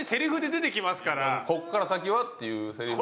「こっから先は」っていうセリフ。